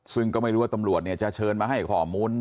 ซึ่งก็ไม่รู้ว่าตำรวจจะเชิญมาให้ข้อมูล